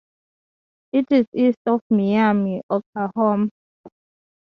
It is east of Miami, Oklahoma.